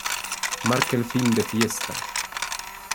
Marca el fin de fiesta.